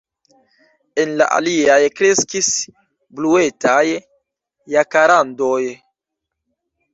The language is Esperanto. En la aliaj kreskis bluetaj jakarandoj.